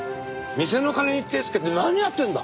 店の金に手つけて何やってんだ！